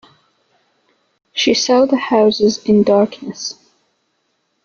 She saw the houses in darkness.